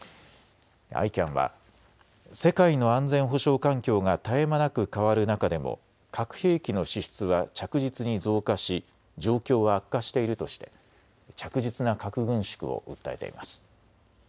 ＩＣＡＮは世界の安全保障環境が絶え間なく変わる中でも核兵器の支出は着実に増加し状況は悪化しているとして着実な核軍縮を訴えています。